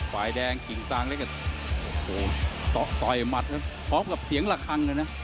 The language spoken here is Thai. ฝ่ายแดงกิ่งสังเล็กต่อยมัดครับพร้อมกับเสียงระคังนะ